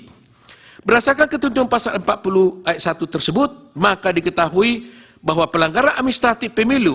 hai berasakan ketentuan pasal empat puluh ayat satu tersebut maka diketahui bahwa pelanggaran administratif pemilu